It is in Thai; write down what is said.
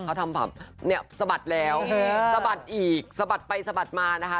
เขาทำแบบเนี่ยสะบัดแล้วสะบัดอีกสะบัดไปสะบัดมานะคะ